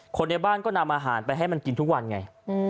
คนในบ้านก็นำอาหารไปให้มันกินทุกวันไง